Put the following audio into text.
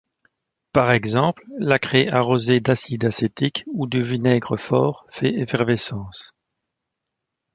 Par exemple, la craie arrosée d'acide acétique ou de vinaigre fort fait effervescence.